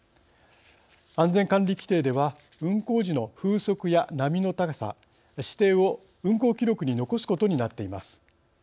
安全管理規程では運航時の風速や波の高さ視程を運航記録に残すことになっています。